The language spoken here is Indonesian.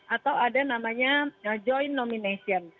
atau ada namanya joint nomination